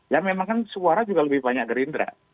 ya memang kan suara juga lebih banyak gerindra